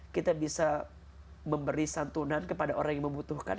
kita bisa memberi santunan kepada orang yang membutuhkan